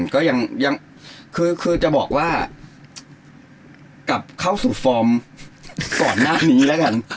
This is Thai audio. ก็ยังคือจะบอกว่ากลับเข้าสู่ฟอร์มก่อนหน้านี้แล้วกัน